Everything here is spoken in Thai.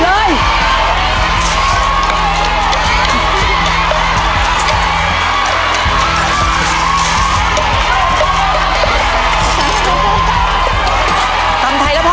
ตอนนี้ไม่ต้องกวนอะไรแล้ว